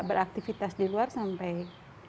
beraktivitas di luar sampai